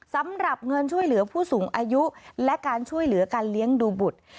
สำหรับเงินช่วยเหลือผู้สูงอายุและการช่วยเหลือการเลี้ยงดูบุตร